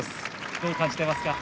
どう感じていますか？